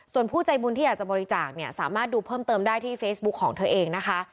ส่วนผู้ใจบุญที่อยากจะบริจาคเนี่ยสามารถดูเพิ่มเติมได้ที่เฟซบุ๊คของเธอเองนะคะ